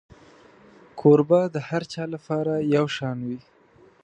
کوربه د هر چا لپاره یو شان وي.